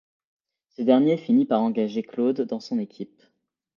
Ce dernier finit par engager Claude dans son équipe.